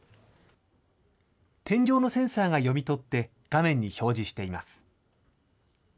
天井のセンサーが読み取って、画面に表示しています。